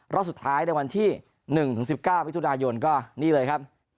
รอบสุดท้ายในวันที่๑๑๙มิถุนายนก็นี่เลยครับ